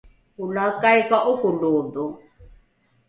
olaakai ka ’okolodho